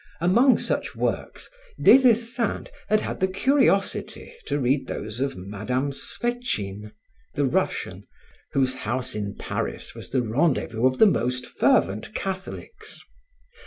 Among such works, Des Esseintes had had the curiosity to read those of Madame Swetchine, the Russian, whose house in Paris was the rendezvous of the most fervent Catholics.